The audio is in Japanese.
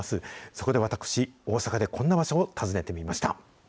そこで私、大阪でこんな場所を訪ねてみました。